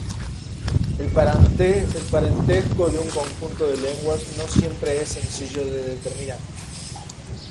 El parentesco de un conjunto de lenguas no siempre es sencillo de determinar.